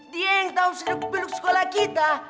dia yang tahu seluruh seluruh sekolah kita